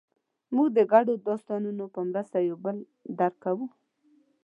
موږ د ګډو داستانونو په مرسته یو بل درک کوو.